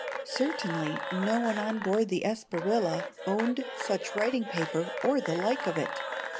Certainly no one on board the Espriella owned such writing paper or the like of it.